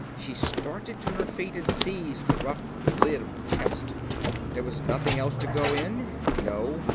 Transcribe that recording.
She started to her feet and seized the rough lid of the chest: there was nothing else to go in? No.